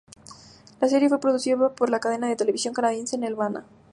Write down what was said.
La serie fue producida por la cadena de televisión canadiense Nelvana.